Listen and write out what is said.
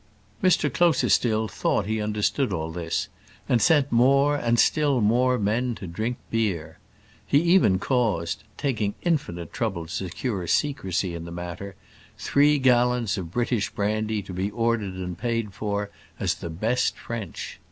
Mr Closerstil thought he understood all this, and sent more, and still more men to drink beer. He even caused taking infinite trouble to secure secrecy in the matter three gallons of British brandy to be ordered and paid for as the best French.